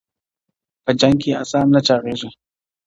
په جنگ کي اسان نه چاغېږي.